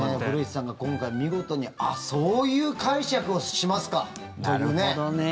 古市さんが今回、見事にあっ、そういう解釈をしますかというね。